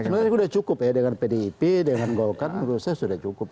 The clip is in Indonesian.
sebenarnya sudah cukup ya dengan pdip dengan golkar menurut saya sudah cukup